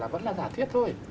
vẫn là giả thuyết thôi